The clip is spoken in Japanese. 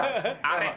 あれ？